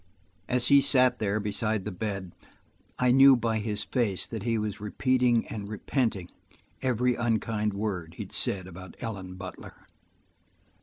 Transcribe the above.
As he sat there beside the bed I knew by his face that he was repeating and repenting every unkind word he had said about Ellen Butler.